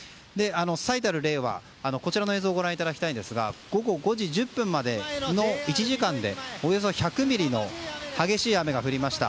最たる例は、こちらの映像をご覧いただきたいんですが午後５時１０分までの１時間でおよそ１００ミリの激しい雨が降りました。